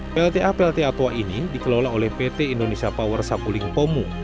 plta pltawa ini dikelola oleh pt indonesia power sapuling pomu